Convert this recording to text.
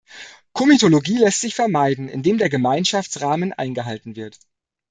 Komitologie lässt sich vermeiden, indem der Gemeinschaftsrahmen eingehalten wird.